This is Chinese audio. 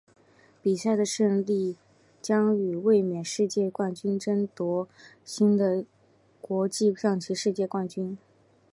比赛的胜利者将与卫冕世界冠军争夺新的国际象棋世界冠军。